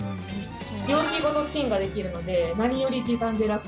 容器ごとチンができるので何より時短で楽。